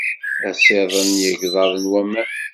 Asiḍen n yigḍaḍ n waman.